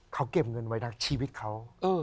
เขาเก็บเงินไว้นะชีวิตเขา